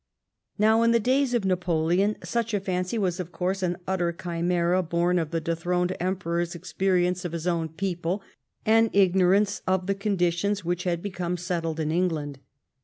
Now, in the days of Napoleon such a fancy was, of course, an utter chimera, bom of the dethroned Emperor's experience of his own people and ignorance of the conditions which had become settled in Eng land.